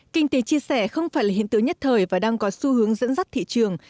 kinh tế chia sẻ không phải là hiện tượng nhất thời và đang có xu hướng dẫn dắt thị trường